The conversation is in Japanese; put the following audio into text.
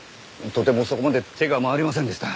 とてもそこまで手が回りませんでした。